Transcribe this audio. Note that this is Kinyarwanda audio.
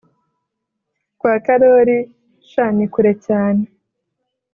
kwa karoli shaa nikure cyane